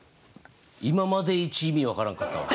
今までイチ意味分からんかったわ。